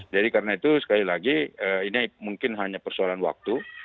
jadi karena itu sekali lagi ini mungkin hanya persoalan waktu